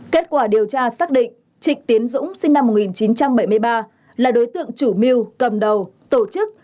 kết quả điều tra xác định trịnh tiến dũng sinh năm một nghìn chín trăm bảy mươi ba là đối tượng chủ mưu cầm đầu tổ chức